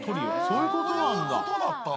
そういうことだったんだ。